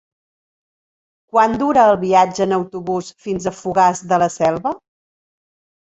Quant dura el viatge en autobús fins a Fogars de la Selva?